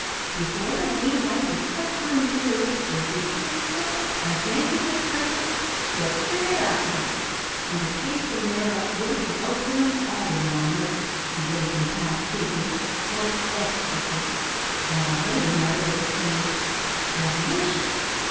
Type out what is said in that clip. Before the green hide was quite burned through, the dish was "cooked," as Yankees express it, "to a curiosity," and the tasting thereof would have evoked from an alderman a look, (he would have been past speaking!) of ecstasy, while a lady might have exclaimed, "Delicious!"